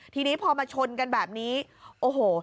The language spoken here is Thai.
ทีนี้พอมาชนกันแบบนี้โอ้โห